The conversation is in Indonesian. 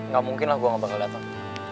gak mungkin lah gua gak bakal dateng